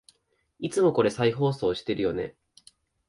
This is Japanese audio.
いつもこれ再放送してるよね